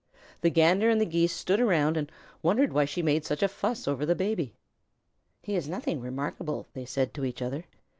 The Gander and the Geese stood around and wondered why she made such a fuss over the Baby. "He is nothing remarkable," they said to each other.